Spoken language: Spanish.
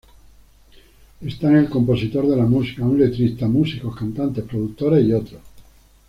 Están el compositor de la música, un letrista, músicos, cantantes, productores y otros.